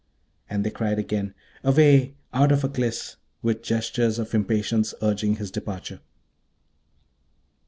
And they cried again, 'Away! out of Aklis!' with gestures of impatience, urging his departure.